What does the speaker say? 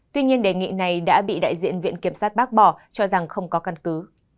tuy nhiên đề nghị này đã bị đại diện viện kiểm sát bác bỏ cho rằng không có căn cứ